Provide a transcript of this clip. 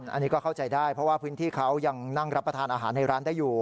อันนี้ก็เข้าใจได้เพราะว่าพื้นที่เขายังนั่งรับประทานอาหารในร้านได้อยู่